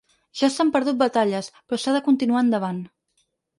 Ja s’han perdut batalles, però s’ha de continuar endavant.